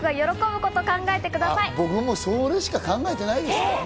僕もう、それしか考えてないです。